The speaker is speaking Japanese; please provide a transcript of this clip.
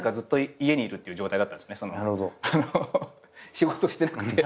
仕事してなくて。